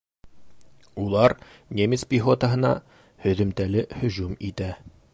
Улар немец пехотаһына һөҙөмтәле һөжүм итә.